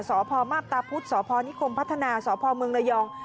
สพมาพตาพุธสพนิคมพัฒนาสพเมืองระยอง